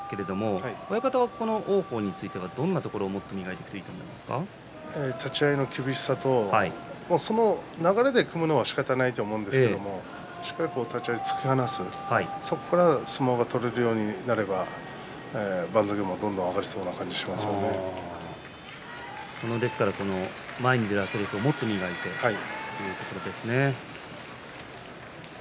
親方は王鵬についてはどんなところをもっと磨くと立ち合いの厳しさと流れで組むのはしかたがないですがしっかり立ち合い、突き放すそこから相撲が取れるようになれば番付もどんどん前に出る圧力をもっと磨いていくというところですね。